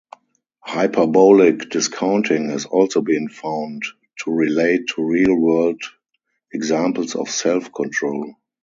Hyperbolic discounting has also been found to relate to real-world examples of self-control.